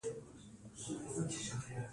د شملې لوړوالی د ځوانۍ نښه ده.